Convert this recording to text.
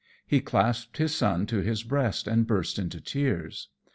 He clasped his son to his breast and burst into tears.